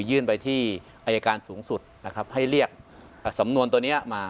ยื่นไปที่อายการสูงสุดนะครับให้เรียกสำนวนตัวนี้มา